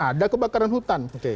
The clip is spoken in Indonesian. ada kebakaran hutan